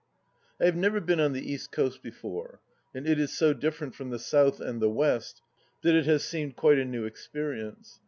I HAVE never been on the East Coast before, and it is so different from the South and the West that it has seemed quite a new experience.